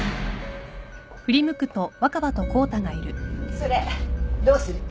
それどうする気？